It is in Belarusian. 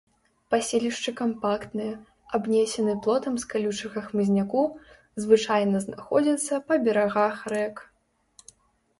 Паселішчы кампактныя, абнесены плотам з калючага хмызняку, звычайна знаходзяцца па берагах рэк.